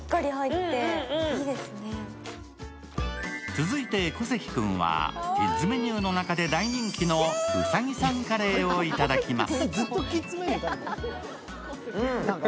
続いて、小関君はキッズメニューの中で大人気のうさぎさんカレーをいただきます。